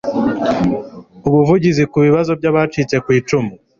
ubuvugizi ku bibazo by Abacitse ku icumu